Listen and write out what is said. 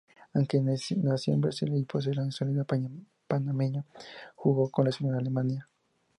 Aunque nació en Brasil y posee la nacionalidad panameña, jugó con la Selección alemana.